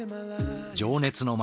情熱の街